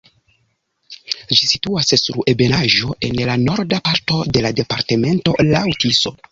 Ĝi situas sur ebenaĵo en la norda parto de la departemento laŭ Tiso.